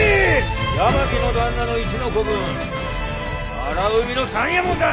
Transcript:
八巻の旦那の一の子分荒海ノ三右衛門だ！